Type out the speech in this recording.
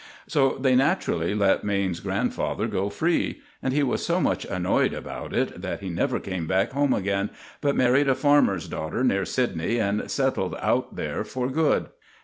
So they naturally let Maine's grandfather go free; and he was so much annoyed about it that he never came back home again, but married a farmer's daughter near Sydney and settled out there for good.